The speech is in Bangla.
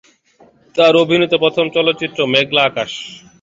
তার অভিনীত প্রথম চলচ্চিত্র মেঘলা আকাশ।